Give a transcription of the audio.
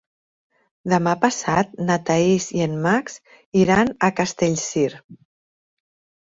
Demà passat na Thaís i en Max iran a Castellcir.